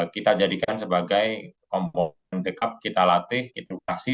kita jadikan sebagai komponen dekap kita latih edukasi